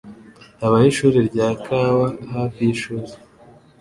Habaho ishuri rya kawa hafi yishuri.